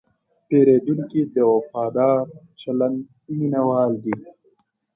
پیرودونکی د وفادار چلند مینهوال دی.